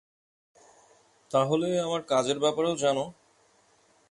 তাহলে আমার কাজের ব্যাপারেও জান।